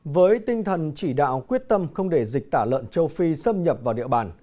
với tinh thần chỉ đạo quyết tâm không để dịch tả lợn châu phi xâm nhập vào địa bàn